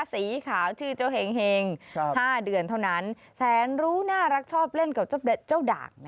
สีขาวชื่อเจ้าเห็ง๕เดือนเท่านั้นแสนรู้น่ารักชอบเล่นกับเจ้าดาก